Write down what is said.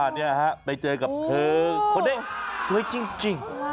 นี่ฮะไปเจอกับเธอคนนี้สวยจริง